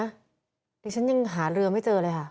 เดี๋ยวฉันยังหาเรือไม่เจอเลยค่ะ